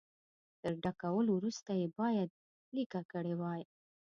تر ډکولو وروسته یې باید لیکه کړي وای.